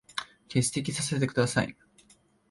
欠席させて下さい。